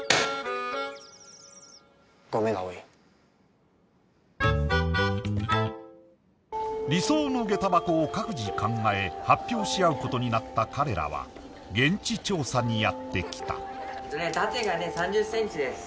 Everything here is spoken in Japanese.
ごめん葵理想の下駄箱を各自考え発表し合うことになった彼らは現地調査にやって来た縦がね３０センチです